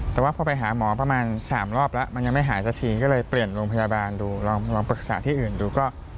แต่ว่าพอไปหาหมอประมาณ๓รอบแล้วมันยังไม่หายสักทีก็เลยเปลี่ยนโรงพยาบาลดูลองปรึกษาที่อื่นดูก็